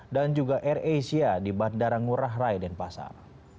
dan juga air asia di bandara ngurah rai denpasar